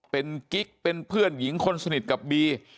เป็นกิ๊กเป็นเพื่อนหญิงคนสนิทกับบี